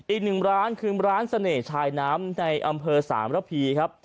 อีกหนึ่งร้านคือร้านเสน่ห์ชายน้ำในอำเภอสามระพีครับ